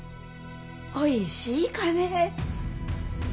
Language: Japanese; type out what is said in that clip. おいしいかねぇ？